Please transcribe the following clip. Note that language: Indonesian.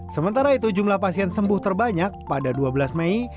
sementara itu jumlah pasien sembuh terbanyak pada dua belas mei